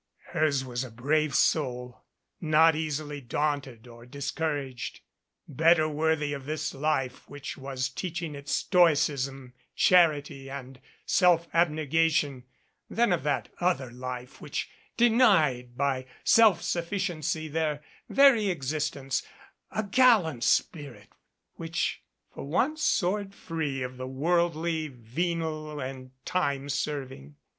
Hers was a brave soul, not easily daunted or discouraged, better worthy of this 148 THE FABIANI FAMILY life which was teaching its stoicism, charity and self abnegation than of that other life which denied by self sufficiency their very existence a gallant spirit which for once soared free of the worldly, venal and time serv ing.